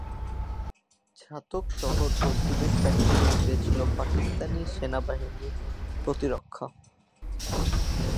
ছাতক শহর ও cement factory ঘিরে ছিল পাকিস্তানি সেনাবাহিনীর প্রতিরক্ষা।